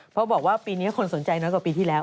เพราะบอกว่าปีนี้คนสนใจน้อยกว่าปีที่แล้ว